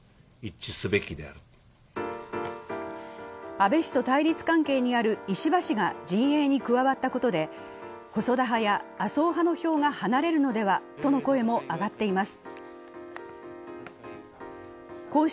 安倍氏と対立関係にある石破氏が陣営に加わったことで細田派や麻生派の票が離れるのではとの声も上がっています。